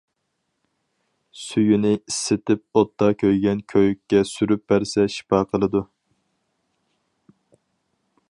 سۈيىنى ئىسسىتىپ ئوتتا كۆيگەن كۆيۈككە سۈرۈپ بەرسە شىپا قىلىدۇ.